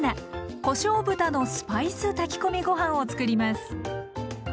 「こしょう豚のスパイス炊き込みご飯」をつくります。